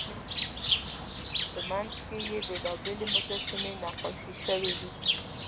په منځ کې یې بېلابېلې مجسمې نقاشي شوې وې.